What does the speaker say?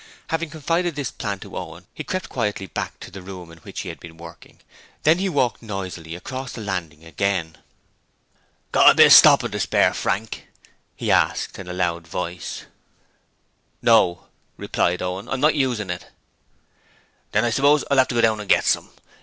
Having confided this plan to Owen, he crept quietly back to the room in which he had been working, then he walked noisily across the landing again. 'Got a bit of stopping to spare, Frank?' he asked in a loud voice. 'No,' replied Owen. 'I'm not using it.' 'Then I suppose I'll have to go down and get some.